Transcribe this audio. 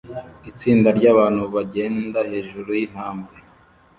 Itsinda ryabantu bagenda hejuru yintambwe